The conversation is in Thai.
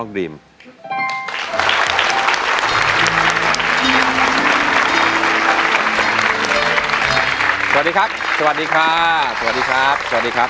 สวัสดีครับสวัสดีครับสวัสดีครับสวัสดีครับ